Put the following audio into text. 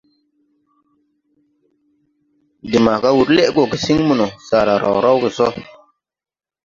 De maaga wur lɛʼ gɔ gesiŋ mono, saara raw rawge sɔ.